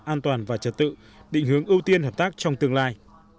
an toàn và trật tự định hướng ưu tiên hợp tác trong tương lai